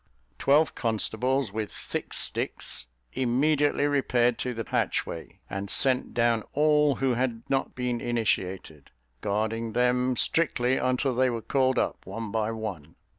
Twelve constables, with thick sticks, immediately repaired to the hatchway, and sent down all who had not been initiated, guarding them strictly, until they were called up one by one.